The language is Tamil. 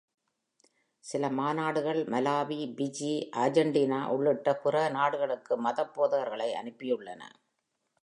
சில மாநாடுகள் மலாவி, பிஜி, அர்ஜென்டினா உள்ளிட்ட பிற நாடுகளுக்கு மதப் போதகர்களை அனுப்பியுள்ளன.